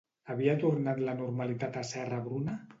Havia tornat la normalitat a Serra-Bruna?